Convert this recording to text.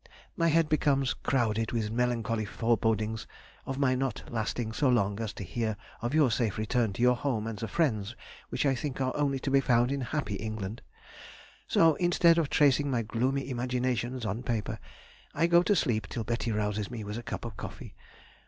... My head becomes crowded with melancholy forebodings of my not lasting so long as to hear of your safe return to your home and the friends which I think are only to be found in happy England; so, instead of tracing my gloomy imaginations on paper, I go to sleep till Betty rouses me with a cup of coffee....